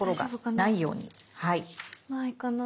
ないかな？